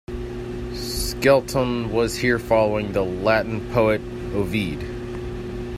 Skelton was here following the Latin poet Ovid.